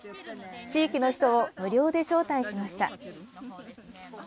地域の人を無料で招待しました。